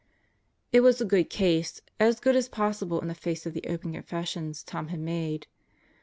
It was a good case as good as possible in face of the open confessions Tom had made.